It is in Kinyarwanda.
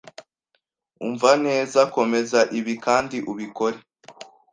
Umva neza komeza ibi kandi ubikore